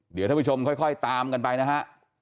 เดี๋ยวท่านผู้ชมค่อยตามกันไปนะฮะ